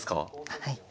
⁉はい。